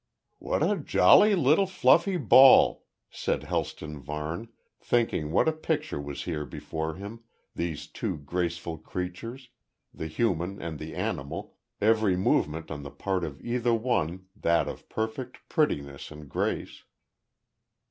"What a jolly little fluffy ball," said Helston Varne, thinking what a picture was here before him, these two graceful creatures, the human and the animal, every movement on the part of either one that of perfect prettiness and grace.